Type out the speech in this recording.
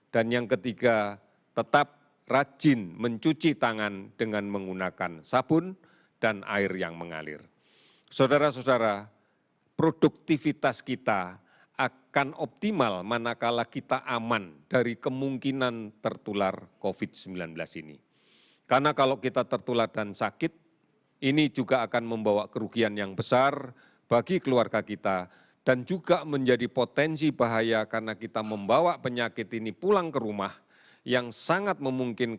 dan yang ketiga tetap rajin mencuci tangan dengan menggunakan sabun dan air yang berbentuk